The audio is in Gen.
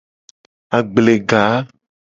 Agblega.